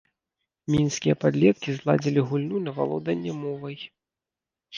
Мінскія падлеткі зладзілі гульню на валоданне мовай.